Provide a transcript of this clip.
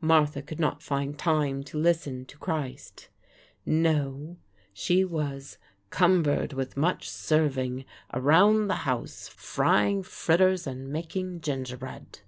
Martha could not find time to listen to Christ. No; she was "'cumbered with much serving' around the house, frying fritters and making gingerbread."